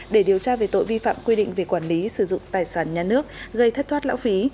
để điều tra về tội vi phạm quy định về quản lý sử dụng tài sản nhà nước gây thất thoát lãng phí